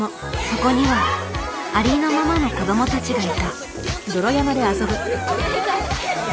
そこには「ありのまま」の子どもたちがいた。